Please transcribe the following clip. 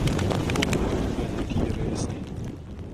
Kuppi tyhjenee kiireesti.